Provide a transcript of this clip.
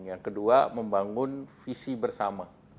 yang kedua membangun visi bersama